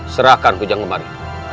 serahkan hujan kemarin